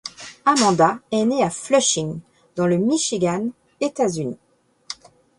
Amanda est née à Flushing, dans le Michigan, États-Unis.